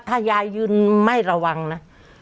ถ้ายายยืนไม่ระวังนะ